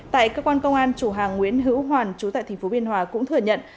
tại cơ quan công an chủ hàng nguyễn hữu hoàn chú tại tp biên hòa cũng thừa nhận